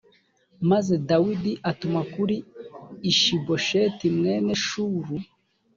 maze dawidi atuma kuri ishibosheti mwene shulu